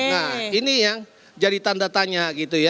nah ini yang jadi tanda tanya gitu ya